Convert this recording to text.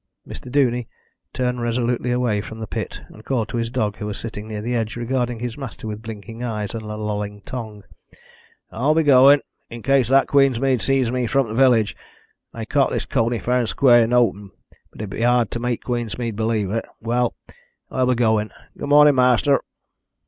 Mr. Duney turned resolutely away from the pit, and called to his dog, who was sitting near the edge, regarding his master with blinking eyes and lolling tongue. "I'll be goin', in case that Queensmead sees me from th' village. I cot this coney fair and square in th' open, but it be hard to make Queensmead believe it. Well, I'll be goin'. Good mornin', ma'aster."